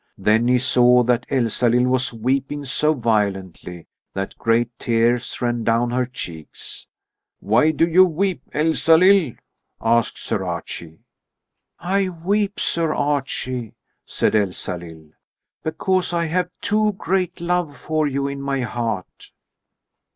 Then he saw that Elsalill was weeping so violently that great tears ran down her cheeks. "Why do you weep, Elsalill?" asked Sir Archie. "I weep, Sir Archie," said Elsalill, "because I have too great love for you in my heart."